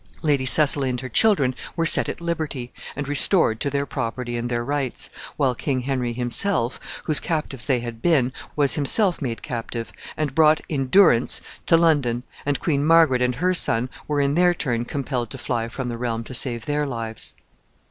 Lady Cecily and her children were set at liberty, and restored to their property and their rights, while King Henry himself, whose captives they had been, was himself made captive, and brought in durance to London, and Queen Margaret and her son were in their turn compelled to fly from the realm to save their lives.